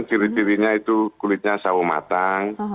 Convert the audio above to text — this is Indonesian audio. ciri cirinya itu kulitnya sawo matang